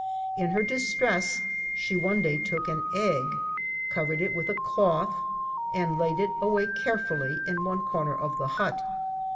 In her distress she one day took an egg, covered it with a cloth, and laid it away carefully in one corner of the hut.